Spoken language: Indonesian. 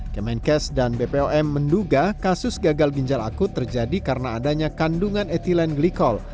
kemenkes dan bpom menduga kasus gagal ginjal akut terjadi karena adanya kandungan etilen glikol